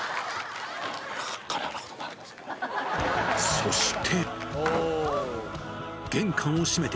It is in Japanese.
そして。